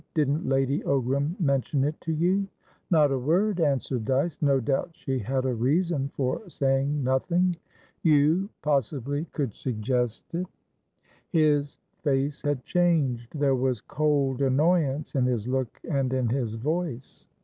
Didn't Lady Ogram mention it to you?" "Not a word," answered Dyce. "No doubt she had a reason for saying nothing. You, possibly, could suggest it?" His face had changed. There was cold annoyance in his look and in his voice.